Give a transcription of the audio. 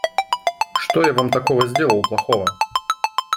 Что я Вам такого сделал плохого?